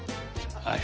はい。